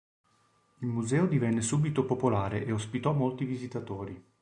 Il museo divenne subito popolare e ospitò molti visitatori.